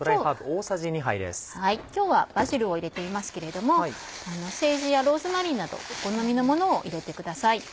今日はバジルを入れていますけれどもセージやローズマリーなどお好みのものを入れてください。